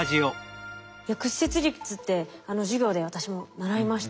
いや屈折率って授業で私も習いました。